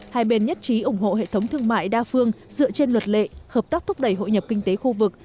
hai bên nhất trí ủng hộ hệ thống thương mại đa phương dựa trên luật lệ hợp tác thúc đẩy hội nhập kinh tế khu vực